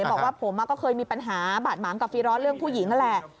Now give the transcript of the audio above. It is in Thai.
บอกว่าผมก็เคยมีปัญหาบาดหมางกับฟีร้อนเรื่องผู้หญิงนั่นแหละ